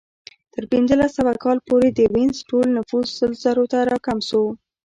تر پنځلس سوه کال پورې د وینز ټول نفوس سل زرو ته راکم شو